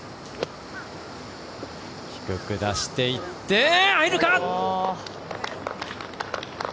低く出していって入るか？